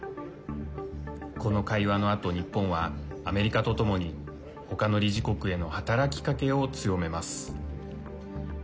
この会話のあと日本はアメリカとともにほかの理事国への働きかけを強めます。